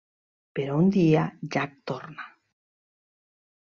Però un dia Jack torna.